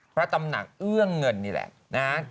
พระตำหนักเอื้องเงินนี่แหละนะฮะ